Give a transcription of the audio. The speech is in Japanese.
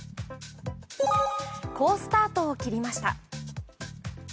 好スタートを切りました。